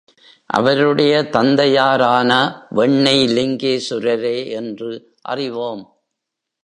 அவருடைய தந்தையாரான வெண்ணெய் லிங்கேசுரரே என்று அறிவோம்.